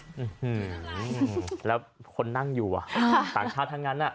อื้อหือแล้วคนนั่งอยู่ว่ะต่างชาติทั้งนั้น